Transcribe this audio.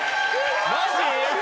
マジ？